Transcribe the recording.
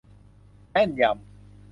แม่นยำ